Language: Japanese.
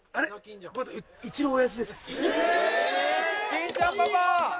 ・金ちゃんパパ